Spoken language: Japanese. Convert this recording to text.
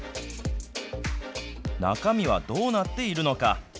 中身はどうなっているのか。